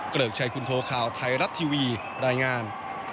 เกริกชัยคุณโทข่าวไทยรัฐทีวีรายงาน